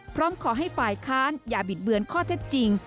พร้อมขอให้ฝ่ายค้านอย่าบิดเบือนข้อเท็จจริง